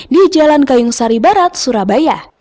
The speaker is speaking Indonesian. di jalan kayung sari barat surabaya